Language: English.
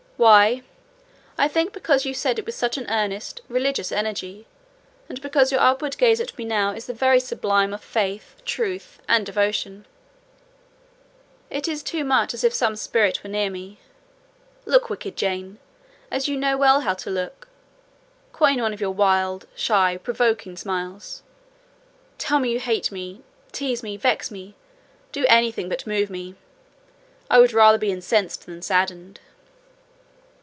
Why? I think because you said it with such an earnest, religious energy, and because your upward gaze at me now is the very sublime of faith, truth, and devotion: it is too much as if some spirit were near me. Look wicked, Jane: as you know well how to look: coin one of your wild, shy, provoking smiles; tell me you hate me—tease me, vex me; do anything but move me: I would rather be incensed than saddened."